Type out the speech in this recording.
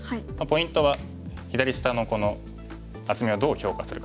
ポイントは左下のこの厚みをどう評価するかですね。